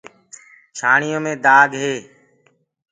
چآننهڻيو مي دآگ هي